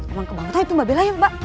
emang kebangetan itu mbak bella ya mbak